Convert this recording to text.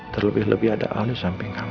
terlebih lebih ada alis samping kamu